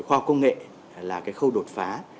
khoa học công nghệ là khâu đột phá